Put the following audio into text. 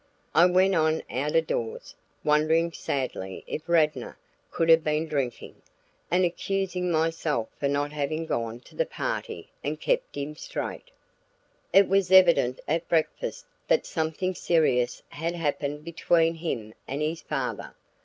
I went on out of doors, wondering sadly if Radnor could have been drinking, and accusing myself for not having gone to the party and kept him straight. It was evident at breakfast that something serious had happened between him and his father.